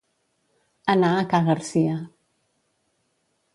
Anar a ca Garcia.